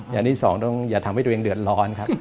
อย่างที่สองต้องอย่าทำให้ตัวเองเดือดร้อนครับ